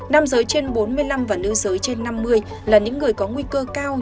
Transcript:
nam giới trên bốn mươi năm và nữ giới trên năm mươi là những người có nguy cơ cao